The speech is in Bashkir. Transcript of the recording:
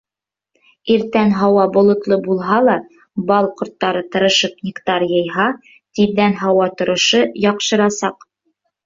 Иртән һауа болотло булһа ла, бал ҡорттары тырышып нектар йыйһа, тиҙҙән һауа торошо яҡшырасаҡ.